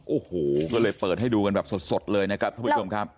โอ้โหก็เลยเปิดให้ดูกันแบบสดเลยนะครับท่านผู้ชมครับ